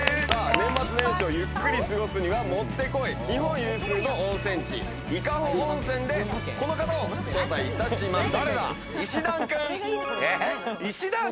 年末年始をゆっくり過ごすにはもって来い、日本有数の温泉地・伊香保温泉で、この方を招待いたします。